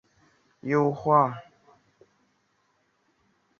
它们通常会根据自己所运行的插件进行实时优化。